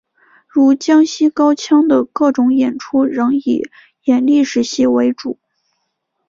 如江西高腔的各种演出仍以演历史戏为主。